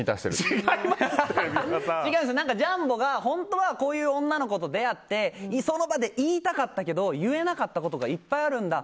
ジャンボが本当はこういう女の子と出会ってその場で言いたかったけど言えなかったことがいっぱいあるんだ。